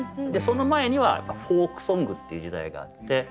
その前にはフォークソングっていう時代があって。